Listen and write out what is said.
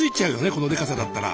このデカさだったら！